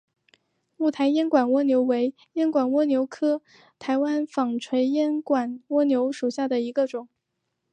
雾台烟管蜗牛为烟管蜗牛科台湾纺锤烟管蜗牛属下的一个种。